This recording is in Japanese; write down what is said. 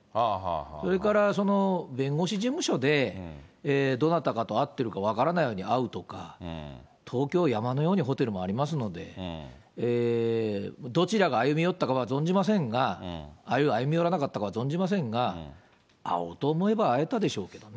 それから、弁護士事務所でどなたかと会ってるか分からないように会うとか、東京、山のようにホテルもありますので、どちらが歩み寄ったかは存じませんが、あるいは歩み寄らなかったかは存じませんが、会おうと思えば会えたでしょうけどね。